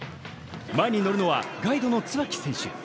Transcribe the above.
前に乗るのはガイドの椿選手。